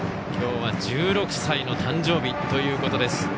きょうは１６歳の誕生日ということです。